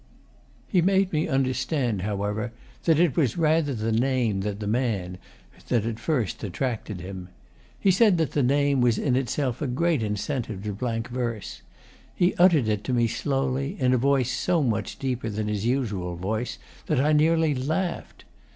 He made me understand, however, that it was rather the name than the man that had first attracted him. He said that the name was in itself a great incentive to blank verse. He uttered it to me slowly, in a voice so much deeper than his usual voice, that I nearly laughed.